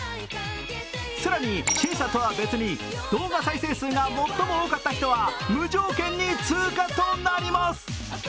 更に、審査とは別に動画再生数が最も多かった人は無条件に通過となります。